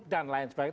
dan lain sebagainya